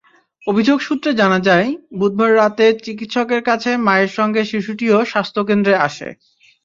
অভিযোগ সূত্রে জানা যায়, বুধবার রাতে চিকিৎসকের কাছে মায়ের সঙ্গে শিশুটিও স্বাস্থ্যকেন্দ্রে আসে।